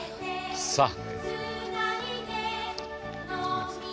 さあ。